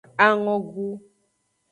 Angogu.